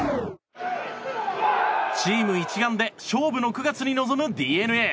チーム一丸で勝負の９月に臨むＤｅＮＡ。